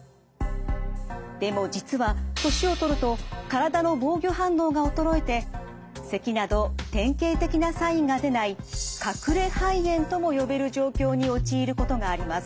でも実は年を取ると体の防御反応が衰えてせきなど典型的なサインが出ない隠れ肺炎とも呼べる状況に陥ることがあります。